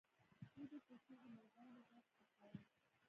زه د کوڅې د مرغانو غږ خوښوم.